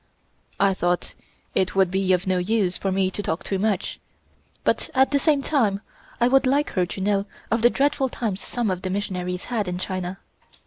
I thought it would be of no use for me to talk too much, but at the same time I would like her to know of the dreadful times some of the missionaries had in China.